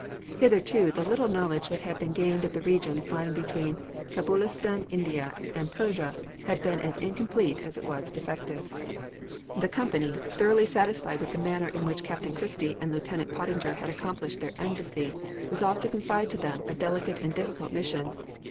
Hitherto the little knowledge that had been gained of the regions lying between Cabulistan, India, and Persia, had been as incomplete as it was defective. The Company, thoroughly satisfied with the manner in which Captain Christie and Lieutenant Pottinger had accomplished their embassy, resolved to confide to them a delicate and difficult mission.